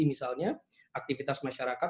misalnya aktivitas masyarakat